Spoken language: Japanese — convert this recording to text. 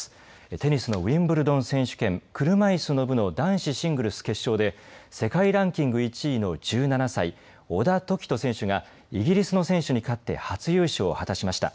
テニスのウィンブルドン選手権車いすの部の男子シングルス決勝で世界ランキング１位の１７歳、小田凱人選手がイギリスの選手に勝って初優勝を果たしました。